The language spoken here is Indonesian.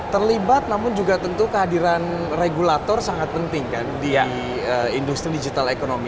terlibat namun juga tentu kehadiran regulator sangat penting kan di industri digital economy